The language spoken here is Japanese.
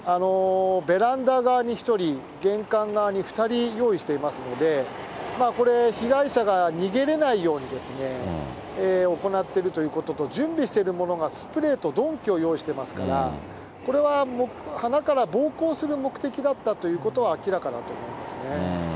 ベランダ側に１人、玄関側に２人用意していますので、これ、被害者が逃げれないように行っているということと、準備してるものがスプレーと鈍器を用意してますから、これははなから暴行する目的だったということは明らかだと思いま